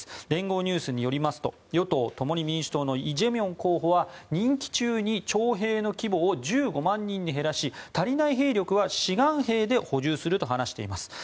連合ニュースによりますと与党・共に民主党のイ・ジェミョン候補は任期中に徴兵の規模を１５万人に減らし足りない兵力は志願兵で補充すると話しています。